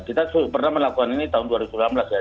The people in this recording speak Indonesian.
kita pernah melakukan ini tahun dua ribu sembilan belas ya